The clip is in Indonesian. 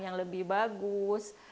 yang lebih bagus